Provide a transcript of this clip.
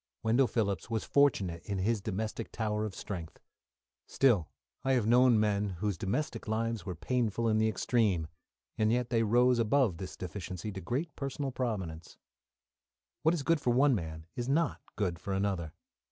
Wendell Phillips was fortunate in his domestic tower of strength; still, I have known men whose domestic lives were painful in the extreme, and yet they arose above this deficiency to great personal prominence. What is good for one man is not good for another.